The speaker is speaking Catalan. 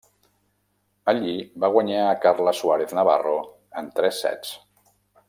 Allí va guanyar a Carla Suárez Navarro en tres sets.